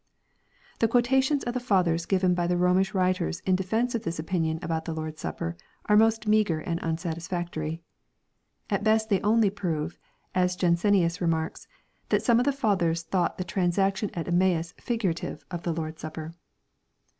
The quotations of the Fathers given by the Romish writers in defence of this opinion about the Lord's Supper are most meagre and unsatisfactory. At best they only prove, as Jansenius remarks, that some of the Fathers thought the transaction at Emmaus fig urative of the Lord's Supper.